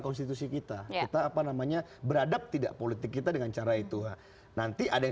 konstitusi kita kita apa namanya beradab tidak politik kita dengan cara itu nanti ada yang